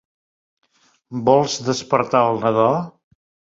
Vols despertar el nadó!